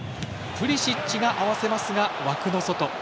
プリシッチが合わせますが枠の外。